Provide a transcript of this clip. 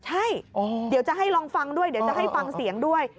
ใช่เดี๋ยวจะให้ลองฟังด้วยเดี๋ยวจะให้ฟังเสียงด้วย